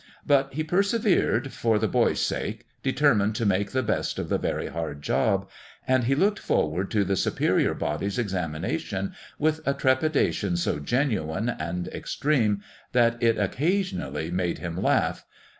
But he persevered, for the boys' sake, determined to make the best of the very hard job ; and he looked forward to the Superior Body's examina tion with a trepidation so genuine and extreme that it occasionally made him laugh.